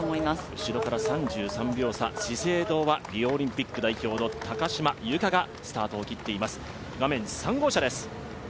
後ろから３３秒差、資生堂はリオオリンピック代表の高島由香がスタートを切っています。